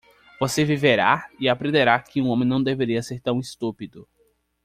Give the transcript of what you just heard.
Você viverá? e aprenderá que um homem não deveria ser tão estúpido.